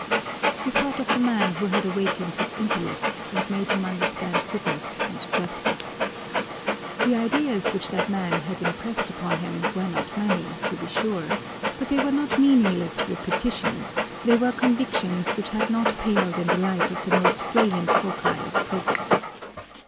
He thought of the man who had awakened his intellect and made him understand goodness and justice. The ideas which that man had impressed upon him were not many, to be sure, but they were not meaningless repetitions, they were convictions which had not paled in the light of the most brilliant foci of progress.